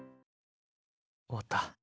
終わった。